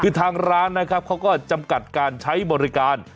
คือทางร้านนะครับเขาก็จำกัดการใช้บริการ